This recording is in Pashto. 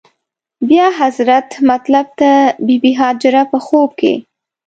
بیا حضرت مطلب ته بې بي هاجره په خوب کې.